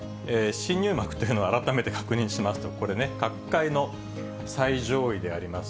新入幕というのは改めて確認しますと、これね、角界の最上位であります